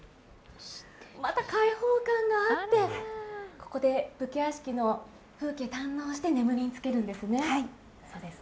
また開放感があって、ここで武家屋敷の風景を堪能して眠りにつけるんですね。